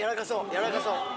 やわらかそう！